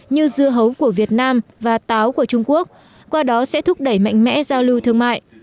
như dưa hấu của việt nam và táo của trung quốc qua đó sẽ thúc đẩy mạnh mẽ giao lưu thương mại